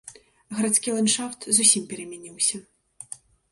Гарадскі ландшафт зусім перамяніўся.